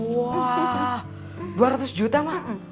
wah dua ratus juta mah